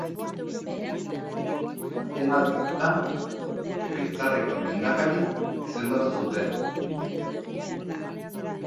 Azken aldi horretan legebiltzarreko lehendakari izendatu zuten.